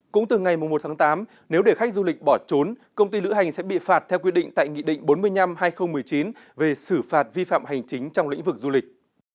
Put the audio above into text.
cũng từ ngày một tháng tám nếu để khách du lịch bỏ trốn công ty lữ hành sẽ bị phạt theo quy định tại nghị định bốn mươi năm hai nghìn một mươi chín về xử phạt vi phạm hành chính trong lĩnh vực du lịch